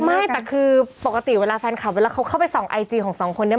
ไม่แต่คือปกติเวลาแฟนคลับเวลาเขาเข้าไปส่องไอจีของสองคนนี้